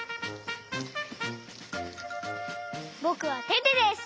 ぼくはテテです！